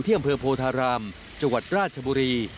อำเภอโพธารามจังหวัดราชบุรี